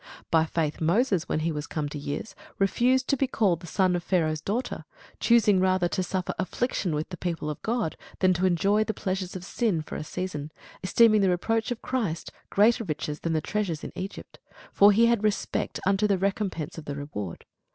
By faith Moses, when he was come to years, refused to be called the son of Pharaoh's daughter; choosing rather to suffer affliction with the people of God, than to enjoy the pleasures of sin for a season; esteeming the reproach of Christ greater riches than the treasures in Egypt: for he had respect unto the recompence of the reward.